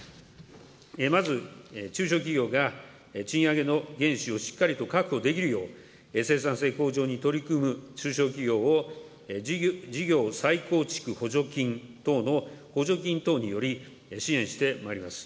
まず、中小企業が賃上げの原資をしっかりと確保できるよう、生産性向上に取り組む中小企業を、事業再構築補助金等の補助金等により、支援してまいります。